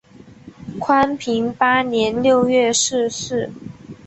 宽平八年六月逝世。